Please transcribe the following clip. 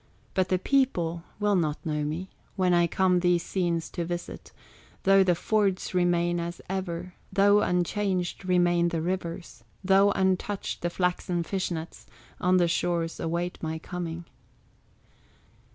But the people will not know me, When I come these scenes to visit, Though the fords remain as ever, Though unchanged remain the rivers, Though untouched the flaxen fish nets On the shores await my coming.